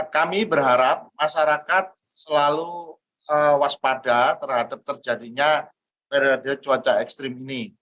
kami berharap masyarakat selalu waspada terhadap terjadinya periode cuaca ekstrim ini